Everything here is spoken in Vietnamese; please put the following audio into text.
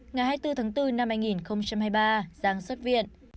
ngày hai mươi bốn tháng bốn năm hai nghìn hai mươi ba giang xuất viện